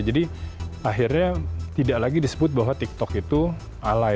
jadi akhirnya tidak lagi disebut bahwa tiktok itu alay